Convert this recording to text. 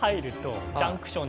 何ジャンクション？